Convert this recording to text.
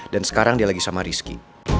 dan sekarang dia lagi sama rizky